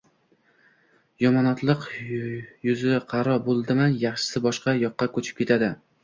Yomonotliq, yuziqaro bo`ldimi, yaxshisi, boshqa yoqqa ko`chib ketadi